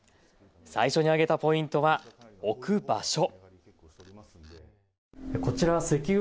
最初に挙げたポイントは置く場所。